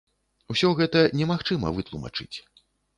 Усё гэта немагчыма вытлумачыць.